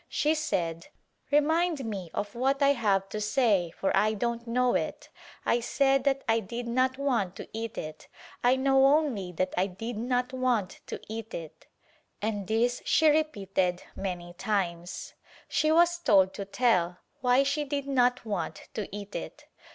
She said "Remind me of what T have to say for I don't know it — I said that I did not want to eat it — I know only that I did not want to eat it," and this she repeated many times. She was told to tell why she did not want to eat it.